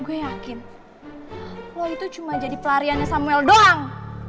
gue yakin lo itu cuma jadi pelariannya samuel doang